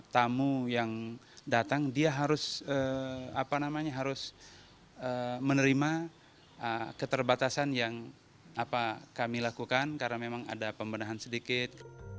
tamu yang datang dia harus menerima keterbatasan yang kami lakukan karena memang ada pembendahan sedikit